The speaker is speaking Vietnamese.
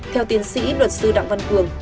theo tiến sĩ luật sư đặng văn cường